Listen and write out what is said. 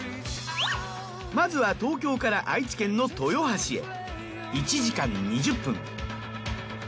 まずは東京から愛知県の豊橋へ１時間２０分。